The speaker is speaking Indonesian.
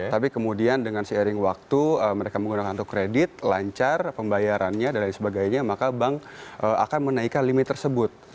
tapi kemudian dengan seiring waktu mereka menggunakan kartu kredit lancar pembayarannya dan lain sebagainya maka bank akan menaikkan limit tersebut